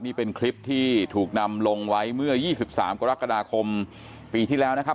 นี่เป็นคลิปที่ถูกนำลงไว้เมื่อ๒๓กรกฎาคมปีที่แล้วนะครับ